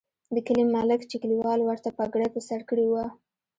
د کلي ملک چې کلیوالو ورته پګړۍ په سر کړې وه.